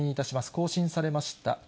更新されました。